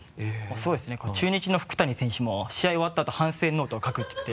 そうですね中日の福谷選手も試合終わったあと反省ノートを書くって言って。